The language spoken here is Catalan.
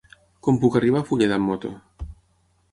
Com puc arribar a Fulleda amb moto?